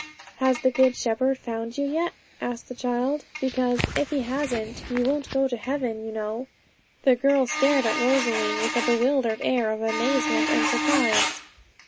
'Has the Good Shepherd found you yet?' asked the child; 'because if He hasn't, you won't go to heaven, you know.' The girl stared at Rosalie with a bewildered air of amazement and surprise.